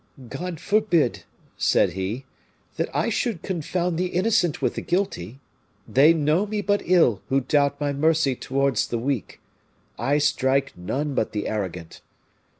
"God forbid," said he, "that I should confound the innocent with the guilty. They know me but ill who doubt my mercy towards the weak. I strike none but the arrogant.